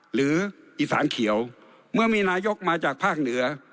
หรืออีสานเขียวเมื่อมีนายกมาจากภาคเหนือ